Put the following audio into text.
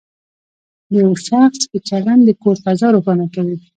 د یو شخص ښه چلند د کور فضا روښانه کوي.